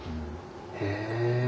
へえ。